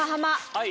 はい。